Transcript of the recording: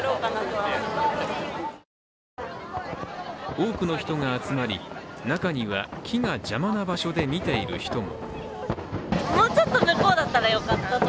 多くの人が集まり、中には木が邪魔な場所で見ている人も。